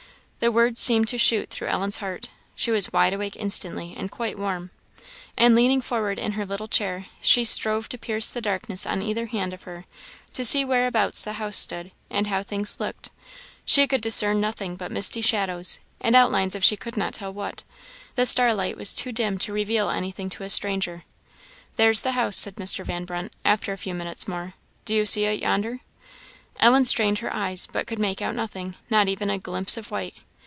The words seemed to shoot through Ellen's heart. She was wide awake instantly, and quite warm; and leaning forward in her little chair, she strove to pierce the darkness on either hand of her, to see whereabouts the house stood, and how things looked. She could discern nothing but misty shadows, and outlines of she could not tell what; the starlight was too dim to reveal any thing to a stranger. "There's the house," said Mr. Van Brunt, after a few minutes more, "do you see it yonder?" Ellen strained her eyes, but could make out nothing not even a glimpse of white.